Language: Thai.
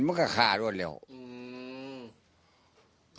เม่ามากว่าเขื่อนขาด้วย